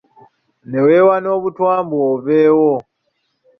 Ne weewa n’obutwa mbu oveewo.